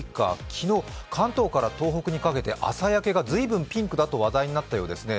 昨日、関東から東北にかけて朝焼けが随分ピンクだと話題になったようですね。